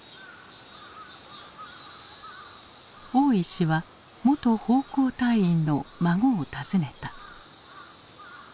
大石は元奉公隊員の孫を訪ねた。